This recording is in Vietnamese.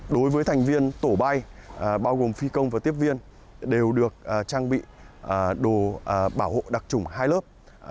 đối với thành viên tổ bay bao gồm phi công và tiếp viên đều được trang bị đồ bảo hộ đặc trùng hai lớp